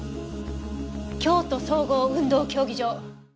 京都総合運動競技場。